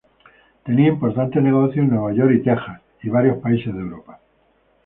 Tenía importantes negocios en Nueva York, Texas y varios países de Europa.